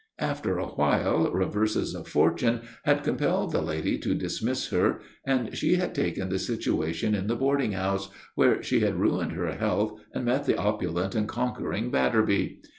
After a while reverses of fortune had compelled the lady to dismiss her, and she had taken the situation in the boarding house, where she had ruined her health and met the opulent and conquering Batterby.